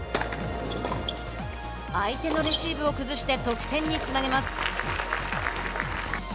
相手のレシーブを崩して得点につなげます。